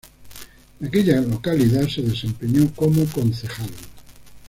De aquella localidad, se desempeñó como Concejal.